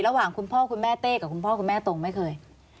คุณพ่อคุณแม่เต้กับคุณพ่อคุณแม่ตรงไม่เคย